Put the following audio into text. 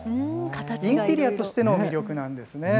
インテリアとしての魅力なんですね。